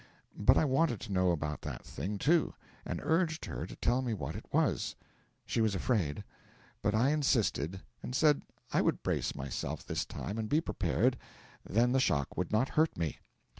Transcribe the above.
But I wanted to know about that thing, too, and urged her to tell me what it was. She was afraid. But I insisted, and said I would brace myself this time and be prepared, then the shock would not hurt me.